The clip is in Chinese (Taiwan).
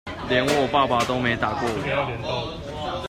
連我爸爸都沒有打過我